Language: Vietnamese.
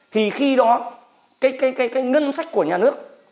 thì khi đó cái cái cái cái nâng sách của nhà nước